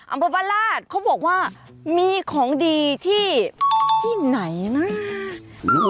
อัมพบรรลาชเขาบอกว่ามีของดีที่ที่ไหนนะ